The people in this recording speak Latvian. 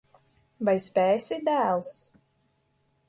Vai spēsi, dēls?